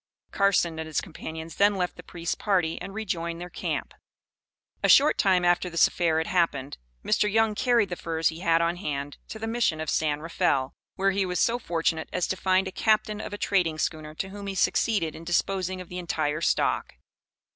Carson and his companions then left the priest's party and rejoined their camp. A short time after this affair had happened, Mr. Young carried the furs he had on hand to the Mission of San Rafael, where he was so fortunate as to find a captain of a trading schooner to whom he succeeded in disposing of the entire stock.